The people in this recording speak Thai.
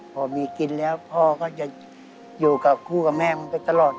พอมีกินแล้วพ่อก็จะอยู่กับคู่กับแม่มันไปตลอด